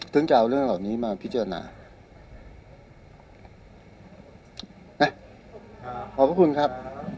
ซึ่งจะเอาเรื่องเหล่านี้มาพิจารณานะขอบพระคุณครับ